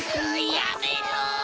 やめろ！